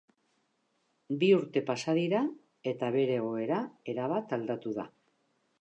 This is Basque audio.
Bi urte pasa dira, eta bere egoera erabat aldatu da.